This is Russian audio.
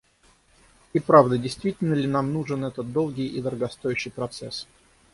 И правда, действительно ли нам нужен этот долгий и дорогостоящий процесс?